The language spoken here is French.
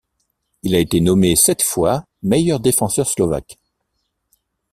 Il a été nommé sept fois meilleur défenseur slovaque.